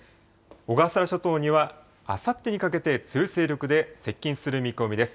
小笠原諸島には、あさってにかけて強い勢力で接近する見込みです。